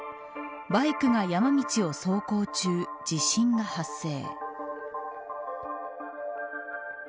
バイクが山道を走行中地震が発生。